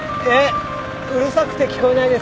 うるさくて聞こえないです。